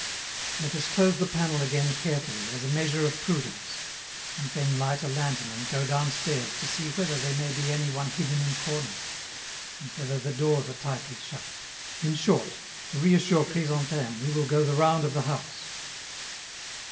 Let us close the panel again carefully, as a measure of prudence, and then light a lantern and go downstairs to see whether there may be any one hidden in corners, and whether the doors are tightly shut; in short, to reassure Chrysantheme we will go the round of the house.